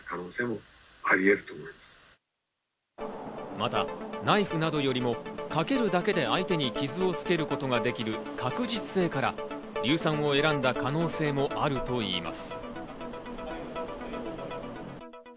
またナイフなどよりも、かけるだけで相手に傷をつけることができる確実性から硫酸を選んだ可能性もあるといいます。